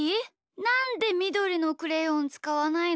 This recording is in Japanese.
なんでみどりのクレヨンつかわないの？